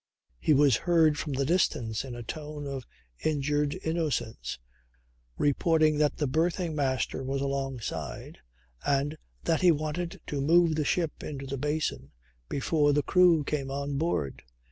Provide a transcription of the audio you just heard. He was heard from the distance in a tone of injured innocence reporting that the berthing master was alongside and that he wanted to move the ship into the basin before the crew came on board.